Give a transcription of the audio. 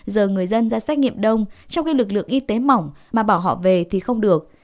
giờ người dân ra xét nghiệm đông trong khi lực lượng y tế mỏng mà bỏ họ về thì không được